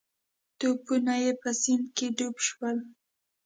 توپونه یې په سیند کې ډوب شول.